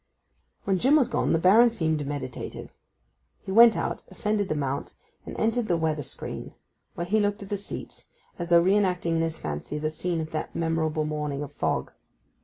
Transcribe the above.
When Jim was gone the Baron seemed meditative. He went out, ascended the mount, and entered the weather screen, where he looked at the seats, as though re enacting in his fancy the scene of that memorable morning of fog.